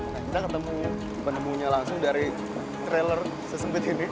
kita ketemunya langsung dari trailer sesungguh ini